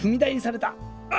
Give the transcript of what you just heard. あ！